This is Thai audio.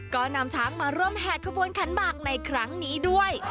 ก็นำช้างมาร่วมแห่ขบวนขันหมากในครั้งนี้ด้วย